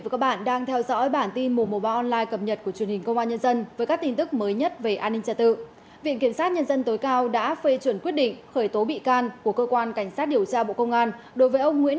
cảm ơn các bạn đã theo dõi